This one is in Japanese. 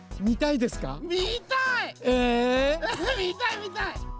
みたい！みたいみたい！